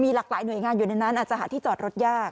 หลากหลายหน่วยงานอยู่ในนั้นอาจจะหาที่จอดรถยาก